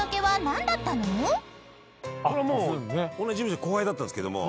もう同じ事務所後輩だったんですけども。